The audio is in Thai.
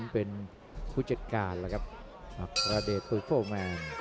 ผู้จัดการครับอัคคลาเดชภุยโฟร์แมน